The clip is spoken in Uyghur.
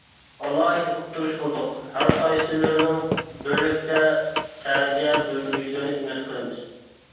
ئالاھىدە ئۇقتۇرۇش قىلدۇق، ھەرقايسىلىرىنىڭ بىرلىكتە تەزىيە بىلدۈرۈشلىرىنى ئۈمىد قىلىمىز.